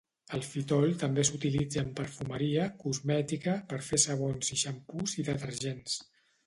El fitol també s'utilitza en perfumeria, cosmètica, per fer sabons i xampús i detergents.